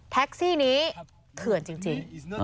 แท็กซี่นี้เขื่อนจริง